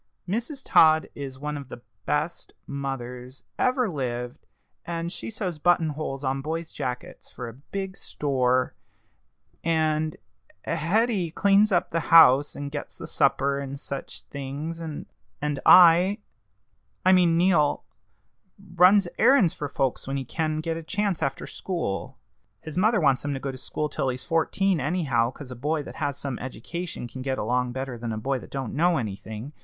Mrs. Todd is one of the best mothers ever lived, and she sews button holes on boys' jackets for a big store; and Hetty cleans up the house, and gets the supper, and such things; and I I mean Neal runs errands for folks when he can get a chance after school. His mother wants him to go to school till he's fourteen anyhow, 'cause a boy that has some education can get along better than a boy that don't know anything.